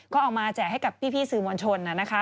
ก็เอามาแจกให้กับพี่สื่อมวลชน